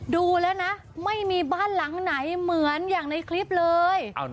ดูแล้วนะไม่มีบ้านหลังไหนเหมือนอย่างในคลิปเลย